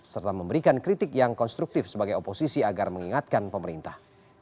serta memberikan kritik yang konstruktif sebagai oposisi agar mengingatkan pemerintah